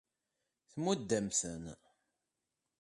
Tmudd-am-ten.